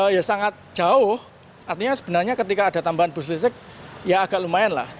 ya sangat jauh artinya sebenarnya ketika ada tambahan bus listrik ya agak lumayan lah